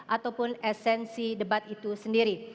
ataupun esensi debat itu sendiri